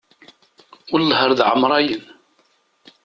Welleh ar d ɛemrayen.